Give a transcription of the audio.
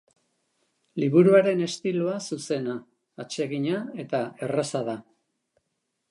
Liburuaren estiloa zuzena, atsegina eta erraza da.